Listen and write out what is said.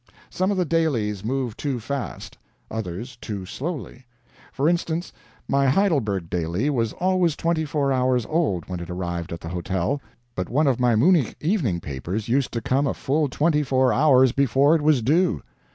Some of the dailies move too fast, others too slowly. For instance, my Heidelberg daily was always twenty four hours old when it arrived at the hotel; but one of my Munich evening papers used to come a full twenty four hours before it was due.